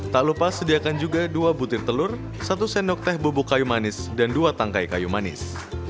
tak lupa sediakan juga dua butir telur satu sendok teh bubuk kayu manis dan dua tangkai kayu manis